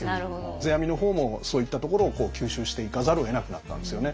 世阿弥の方もそういったところを吸収していかざるをえなくなったんですよね。